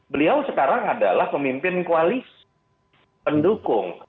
beliau sekarang adalah pemimpin koalisi pendukung